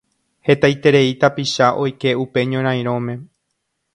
Hetaiterei tapicha oike upe ñorarirõme.